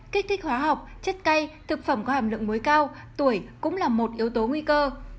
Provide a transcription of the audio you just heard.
kích thích hóa học chất cây thực phẩm có hàm lượng muối cao tuổi cũng là một yếu tố nguy cơ